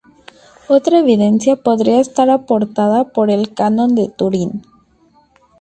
Otra evidencia podría estar aportada por el "Canon de Turín".